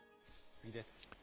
次です。